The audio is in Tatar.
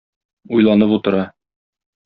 Уйланып утыра.